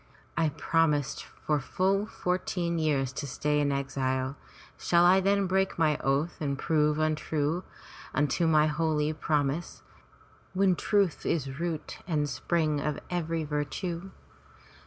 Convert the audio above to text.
I promised for full fourteen years to stay in exile. Shall I then break my oath and prove untrue unto my holy prom ise, when truth is root and spring of every virtue?